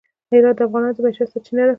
هرات د افغانانو د معیشت سرچینه ده.